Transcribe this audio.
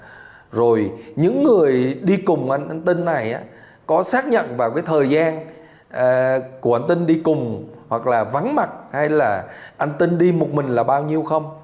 đi bao lâu rồi những người đi cùng anh tinh này có xác nhận vào cái thời gian của anh tinh đi cùng hoặc là vắng mặt hay là anh tinh đi một mình là bao nhiêu không